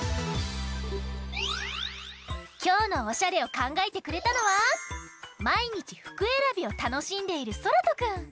きょうのおしゃれをかんがえてくれたのはまいにちふくえらびをたのしんでいるそらとくん。